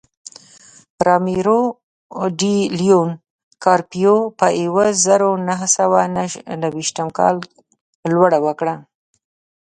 رامیرو ډي لیون کارپیو په یوه زرو نهه سوه نهه ویشتم کال لوړه وکړه.